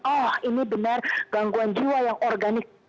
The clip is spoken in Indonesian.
ah ini benar gangguan jiwa yang organik